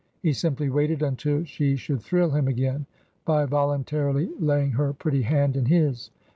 He simply waited until she should thrill him again by voluntarily laying her pretty hand in his.